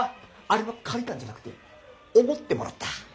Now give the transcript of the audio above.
あれは借りたんじゃなくておごってもらった。